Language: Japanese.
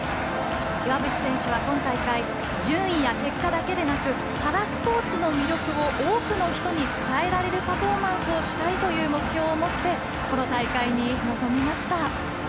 岩渕選手は今大会順位や結果だけではなくパラスポーツの魅力を多くの人に伝えられるパフォーマンスをしたいという目標を持ってこの大会に臨みました。